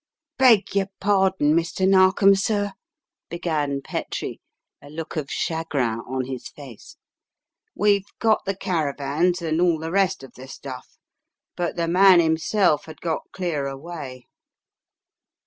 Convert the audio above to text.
" Beg your pardin', Mr. Narkom, sir," began Petrie, a look of chagrin on his face. "We've got the cara vans and all the rest of the stuff, but the man himself had got clear away."